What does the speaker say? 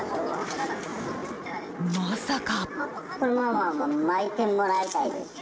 まさか。